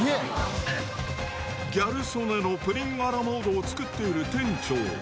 ギャル曽根のプリンアラモードを作っている店長。